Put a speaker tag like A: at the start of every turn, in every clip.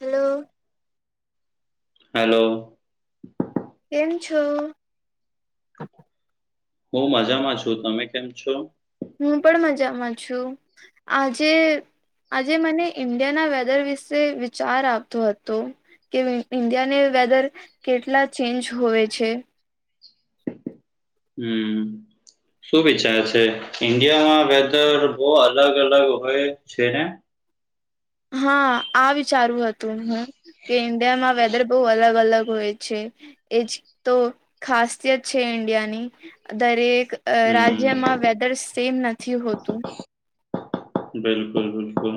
A: Hello
B: hello
A: કેમ છો
B: હું મજામાં છું તમે કેમ છો
A: હું પણ મજામાં છું આજે આજે મને ઇન્ડિયાના વેધર વિશે વિચાર આપવતો હતો કે ઈન્ડિયાને વેધર કેટલા ચેન્જ હોય છે
B: હમ શું વિચાર છે ઈન્ડિયામાં વેધર બહુ અલગ અલગ હોય છે ને
A: હા આ વિચારવું હતું હું કે ઇન્ડિયામાં વેધર બહુ અલગ અલગ હોય છે. એજ તો ખાસિયત છે ઇન્ડિયાની દરેક અ
B: હમ
A: રાજ્યમાં વેધર સેમ નથી હોતું
B: બિલકુલ બિલકુલ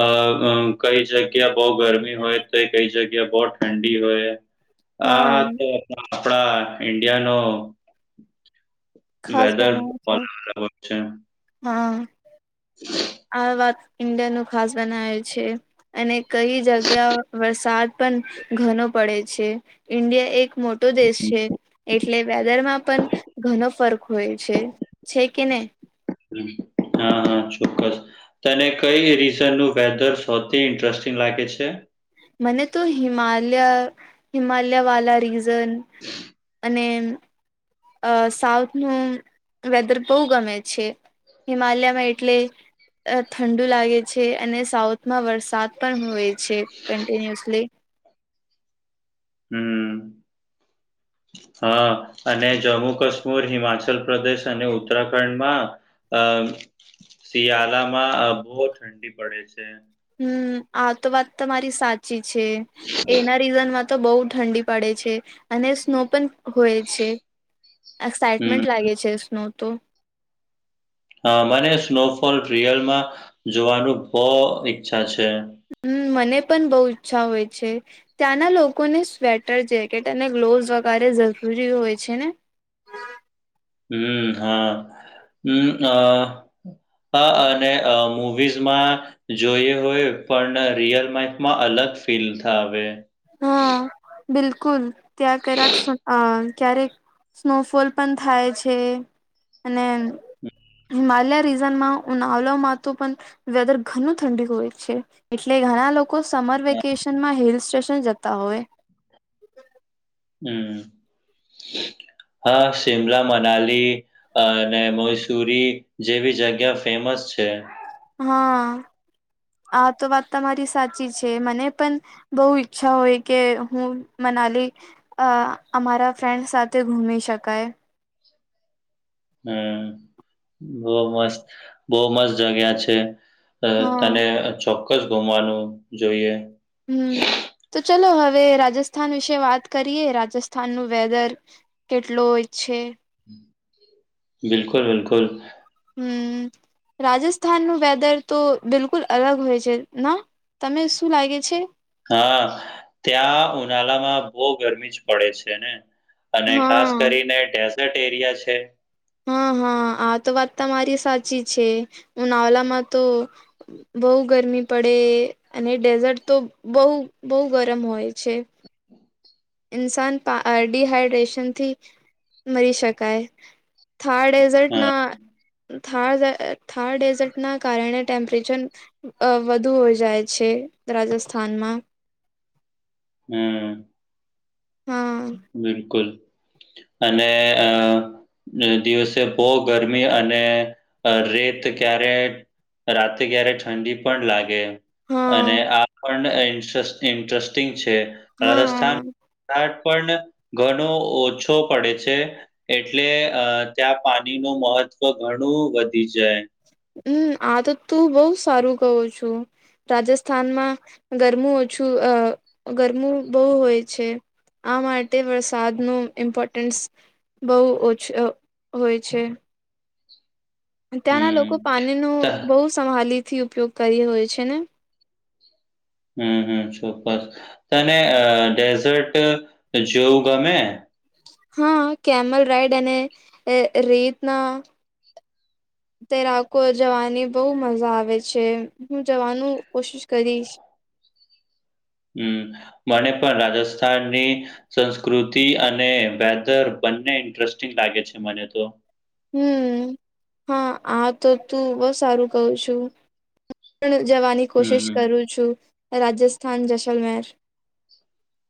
B: અ કઈ જગ્યા બહુ ગરમી હોય તો કઈ જગ્યા બહુ ઠંડી હોય
A: [inaudible]
B: આ તો આપડા ઈન્ડિયાનો
A: ખાસ
B: વેધર
A: બનાવે છે
B: બરાબર છે.
A: હા
B: [inaudible]
A: આ વાત ઈન્ડિયા નું ખાસ બનાવે છે અને કઈ જગ્યા વરસાદ પણ ઘનો પડે છે ઇન્ડિયા એક મો દેશ છે એટલે વેધરમાં પણ ઘણ ફર્ક હોય છે છે કે નહી
B: હા હા ચોક્કસ તને કઈ રીઝનનું વેધર સૌથી ઇન્ટરેસ્ટિંગ લાગે છે.
A: મને તો હિમલય હિમલયા વાલા રીઝ અને અ સાઉથ નું વેધર બહુ ગમે છે હિમાલયમાં એટલે ઠંડુ લાગે છે અને સાઉથમાં વરસાદ પણ હોય છે કન્ટિન્યુઅસલી
B: હમ
A: [unintelligible]
B: હા અને જમ્મુ કશ્મીર હિમાચલ પ્રદેશ અને ઉત્તરાખંડ માં અ શિયાળામાં બહુ ઠંડી પડે છે.
A: હમ આતો વાત તમારી સાચી છે એના સીઝનમાં તો બહુ ઠંડી પડે છે. અને સ્નો પણ હોય છે
B: હમ
A: એક્સાાઈટમેન્ટ લાગે છે સ્નો તો
B: હ મને સ્નોફોલ રિયલમાં જોવાનું બો ઈચ્છા છે.
A: હમ મને પણ બહુ ઈચ્છા હોય છે. ત્યાંના લોકોને સ્વેટર જેકેટ અને ગ્લોવસ વગેરે જરૂરી હોય છે ને
B: હમ હા હમ આ અ અને અ મુવીઝમાં જોયુ હોય પણ રિયલ લાઇફમાં અલગ ફીલ થાવે
A: હા બિલકુલ ત્યાં કારે સુ ક્યારેક સ્નોફોલ પણ થાય છે અને હિમાલય રીઝનમાં ઉનાવળમાં તો પણ વેધર ઘનો ઠંડી હોય છે એટલે ઘણા લોકો કોઈ સમર વેકેશનમાં હિલ સ્ટેશન જતા હોય
B: હમ હા શિમલા મનાલી અ અને મૌસુરી જેવી જગ્યા ફેમસ છે.
A: હા આ તો વાત તમારી સાચી છે મને પણ બહુ ઈચ્છા હોય કે હું મનાલી અ અમારા ફ્રેન્ડ્સ સાથે ઘૂમ શકાય
B: હમ બહુ મસ્ત બહુ મસ્ત જગ્યા છે. અ
A: હા
B: તને ચોક્કસ ગુમવાનું જોઈએ.
A: હમ તો ચલો હવે રાજસ્થાન વિશે વાત કરીએ રાજસ્થાનનું વેદર કેટલો હોય છે.
B: બિલકુલ બિલકુલ
A: હમ રાજસ્થાન નું વેદર તો બિલકુલ અલગ હોય છે ના તમે શું લાગે છે.
B: હા ત્યાં ઉનાળા માં બહુ ગરમી જ પડે છે ને અને ખાસ
A: હા
B: કરીને ડેઝર્ટ એરિયા છે.
A: હા હા આ તો વાત તમા મારી સાચી છે ઉનાલામાં તો બહુ ગરમી પડે અને ડેઝર્ટ તો બહુ બહુ ગરમ હોય છે. ઇન્સાન ડડીહાઈડ્રેશન થી મરી શકાય થારડ
B: હા
A: ડટ થ થા ડેઝર્ટ ના કારણે ટેમ્પરેચર અ વધુ હોય જાય છે રાજસ્થાનમાં
B: હમ
A: હા
B: બિલકુલ અને અ દિવસે બહુ ગરમી અને રેત ક્યારે રાતે ક્યારે ઠંડી પણ લાગે
A: હા
B: અને આ પણ ઈન્ટ ઇન્ટરેસ્ટિંગ છે રાજસ્થાન
A: હા
B: ટાઢ પણ ઘણો ઓછો પડે છે. એટલે અ ત્યાં પાણી ન મહત્ત્વ ઘણું વધી જાય
A: હમ આ તો તું બહુ સારું કહો છું. રાજસ્થાનમાં ગરમું ઓછું અ ગરમું બહુ હોય છે. આ માટે વરસાદનું ઇમ્પોર્ટન્સ બહુ ઓછ હોય છે. ત્યાંના
B: હમ
A: લોકો પાણી નુ
B: ત
A: બહુ સમાલી થી ઉપયોગ કરી હોય છે ને
B: હમ હમ ચોક્કસ તને અ ડેઝર્ટ જોવું ગમે
A: હા કેમલ રાઈડ અને રે રેતના તૈરાકો જવાની બહુ મજા આવે છે હું જવાનું કોશિશ કરીશ
B: હમ મને પણ રાજસ્થાનની સંસ્કૃતિ અને વેધર બંને ઇન્ટરેસ્ટિંગ લાગે છે મને તો
A: હમ હા આ તો તું બહ સારું કઉ છું હું પૂર્ જવાની
B: હમ
A: કોશિશ
B: હમ
A: કરું છું રાજસ્થાન જસલમેર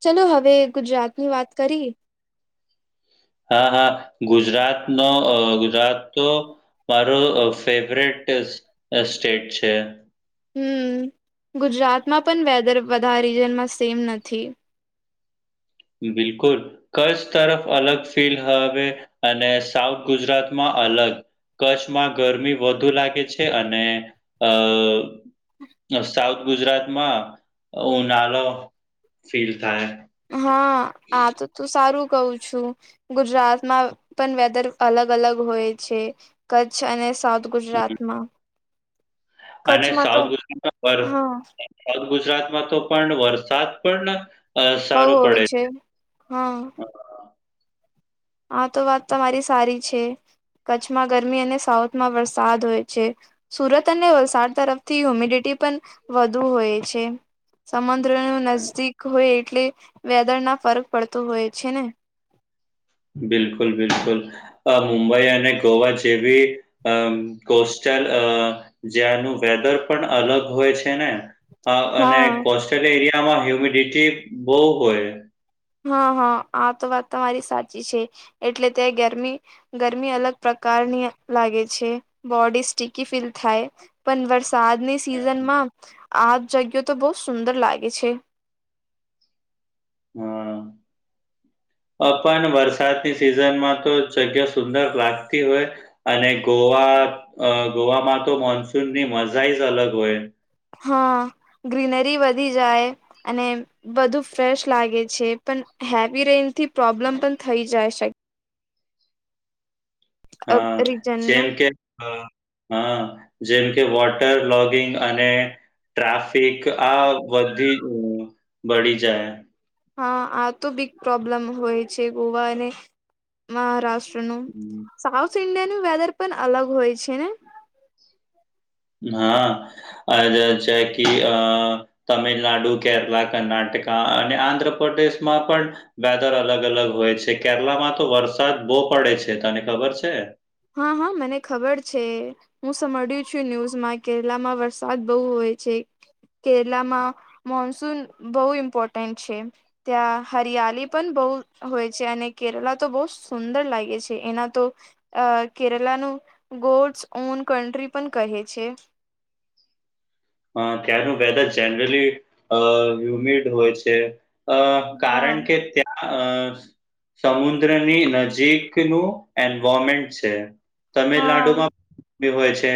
A: ચલો હવે ગુજરાતની વાત કરી એ
B: હા હા ગુજરાત નો ગુજરાત તો મારો ફેવરેટ સ્ટેટ છે.
A: હમ ગુજરાતમાં પણ વેધર બધા રીજનમાં સેમ નથી
B: બિલકુલ કચ્છ તરફ અલગ ફીલ હવે અને સાઉથ ગુજરાતમાં અલગ કચ્છમાં ગરમી વધુ લાગે છે અને અ સાઉથ ગુજરાતમાં ઉ નાળ ફીલ થાય
A: હા આ તો તું સારું કવું છુ ગુજરાતમાં પણ વેધર અલગ અલગ હોય છે કચ્છ અને સાઉથ ગુજરાતમાં કચ્છમાં તો હા
B: સાઉ ગુજરાત માં તો પણ વરસાદ પણ અ
A: બહુ
B: સારો
A: હોય
B: પડે.
A: છે હા
B: છે.
A: હા તો વાત તમારી સારી છે કચ્છમાં ગરમી અને સાઉથમાં વરસાદ હોય છે સુરત અને વલસાડ તરફથી હ્યુમિડિટી પણ વધુ હોય છે સમુદ્ર ન નજદીક હોય એટલે વેદર ના ફરક પડતો હોય છે ને
B: બિલકુલ બિલકુલ મુંબઈ અને ગોવા જેવી અ કોસ્ટલ જ્યાનું વેધર પણ અલગ હોય છે ને અને
A: હા.
B: કોસ્ટલ એરિયામાં હ્યુમિડિટી બહુ હોય
A: હા હા આ તો વાત તમારી સાચી છે એટલે તે ગરમી ગરમી અલગ પ્રકારની લાગે છે બોડી સ્ટકી ફીલ થાય પણ વરસાદની સિઝનમાં આ જગઓ તો બહુ સુંદર લાગે છે.
B: હમ પણ વરસાદની સિઝનમાં તો જગ્યા સુંદર લાગતી હોય અને ગોવા ગોવામાં તો મોન્સૂનની મજા જ અલગ હોય.
A: હા ગ્રીનરી વધી જાય અને બધું ફ્રેશ લાગે છે પણ હેવી રેન થી પ્રોબ્લેમ પણ થઈ જાય શકે
B: હા
A: શકે
B: જેમ
A: રીજનનું
B: કે હા જેમ કે વોટર લોગિંગ અને ટ્રાફિક આ વધી બળી જાય
A: હા આ તો બીગ પ્રોબ્લેમ હોય છે ગોવાને મહારાષ્ટ્રનું
B: હમ,
A: સાઉથ ઈન્ડિયાનું વેધર પણ અલગ હોય છે ને
B: હા છે કે અ તમિલનાડુ કેરલા કર્ણાટકા અને આંધ્રપદેશમાં પણ વેધર અલગ અલગ હોય છે કેરલામાં તો વરસાદ બહુ પડે છે તને ખબર છે
A: હા હા મને ખબર છે. હું સમ્યું છું ન્યૂઝમાં કેરલામાં વરસાદ બહુ હોય છે કેરલામાં મોનસૂન બહુ ઇમ્પોર્ટન્ટ છે. ત્યાં હરિયાલી પણ બહુ હોય છે અને કેરલા તો બહુ સુંદર લાગે છે એના તો અ કેરલાનું ગોડ્સ ઓન કન્ટ્રી પણ કહે છે
B: અ ત્યાંનું વેધર જેનરલી હ્યુમિડ હોય છે. અ
A: હા
B: કારણ કે ત્યા અ સમુદ્રની નજીકનું એન્વોરમેન્ટ છે. તમિલનાડુ
A: હા
B: માં ભી હોય છે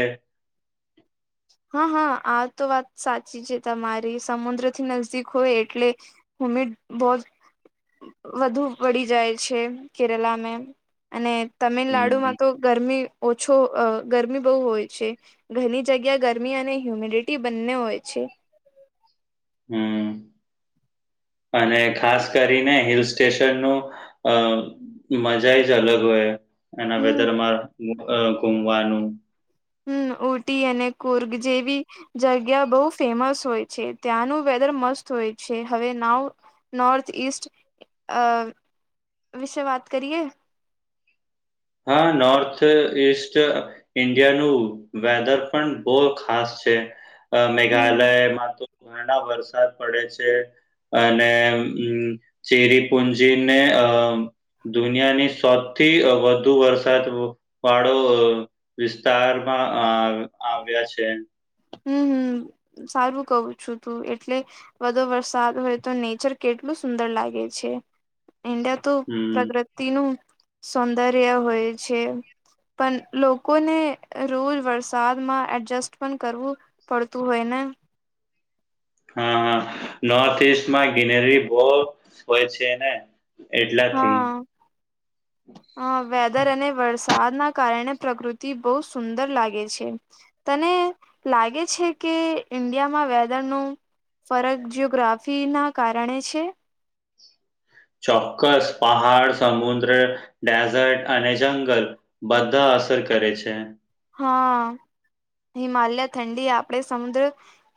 A: હા હા આ તો વાત સાચી છે તમારી સમુદ્ર થી નજદીક હોય એટલે હ્યુમિડ બોહોત વધુ વડી જાય છે કેરલામેં અને
B: હમ
A: તમિલનાડુમાં તો ગરમી ઓછો અ ગરમી બહુ હોય છે ઘણી જગ્યા ગરમી અને હ્યુમિડિટી બંને હોય છે.
B: હમ્મ. અને ખાસ કરીને હિલ સ્ટેશન નું અ મજાઈજ અલગ હોય એના
A: હમ
B: વેધરમાં અ ઘુમવાનું
A: હમ્મ ઊટી અને કુર્ગ જેવી જગ્યા બહુ ફેમસ હોય છે ત્યાંનું વેધર મસ્ત હોય છે હવે નાવ નોર્થ ઈસ્ટ અ વિશે વાત કરીએ
B: હા, નોર્થ ઈસ્ટ ઇન્ડિયાનું વેધર પણ બહુ ખાસ છે અ
A: હમ
B: મેઘાલયમાં તો ઘડા વરસાદ પડે છે. અને ચેરી પુંજીને અ દુનિયાની સૌથી વધ ધુ વરસાદ વાડો વિસ્તારમાં અ આવ્યા છે.
A: હમ્મ હમ્મ સારું કવું છું તું એટલે વધુ વરસાદ હોય તો નેચર કેટલું સુંદર લાગે છે ઇન્ડ તો
B: હમ
A: પ્રકૃતિ નું સૌંદર્ય હોય છે. પણ લોકોને રોજ વરસાદમાં એડજસ્ટ પણ કરવું પડતું હોય ને
B: હા હા નોર્થ ઈસ્ટ માં ગિનેરીરી બહ હોય છે ને એટલાથી
A: [inaudible] અ વેધર અને વરસાદના કારણે પ્રકૃતિ બહુ સુંદર લાગે છે. તને લાગે છે કે ઈન્ડિયામાં વેધરનું ફરક જીયોગ્રાફી ના કારણે છે.
B: ચોક્કસ પહાડ, સમુદ્ર, ડેઝર્ટ અને જંગલ બધા અસર કરે છે.
A: હા હિમાલયા ઠંડી આપડે સમુદ્ર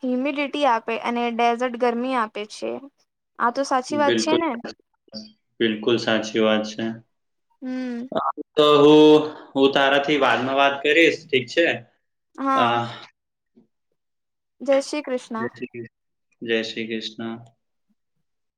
A: હ્યુમિડિટી આપે અને ડેઝર્ટ ગરમી આપે છે. આ તો સાચી વાત છે
B: બિલકુલ
A: ને
B: બિલકુલ સાચી વાત છે.
A: હમ
B: તો હું હું તારાથી વાદમાં વાત કરીશ ઠીક છે અ
A: હા જય શ્રી કૃષ્
B: જય શ્રી કૃષ્ણ જય શ્રી કૃષ્ણ.